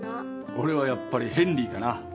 俺はやっぱりヘンリーかな。